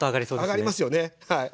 揚がりますよねはい。